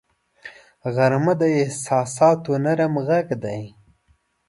غرمه د احساساتو نرم غږ دی